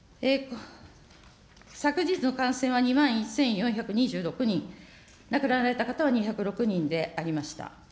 昨日の感染は２万１４２６人、亡くなられた方は２０６人でありました。